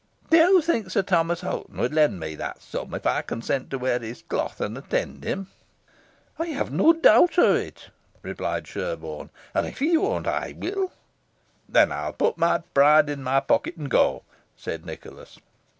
"Do you think Sir Thomas Hoghton would lend me that sum if I consent to wear his cloth, and attend him?" "I have no doubt of it," replied Sherborne; "and if he won't, I will." "Then I will put my pride in my pocket, and go," said Nicholas.